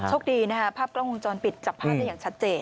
โชคดีนะคะภาพกล้องวงจรปิดจับภาพได้อย่างชัดเจน